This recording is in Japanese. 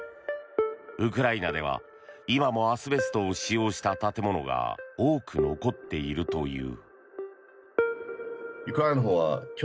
ウクライナでは今もアスベストを使用した建物が多く残っているという。